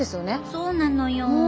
そうなのよ。